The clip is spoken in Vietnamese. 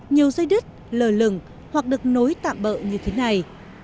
nhiều dây đứt lờ lừng hoặc được nối tạm bỡ như thế này